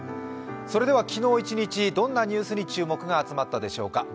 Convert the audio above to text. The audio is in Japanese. それでは昨日一日どんなニュースに注目が集まったでしょうか。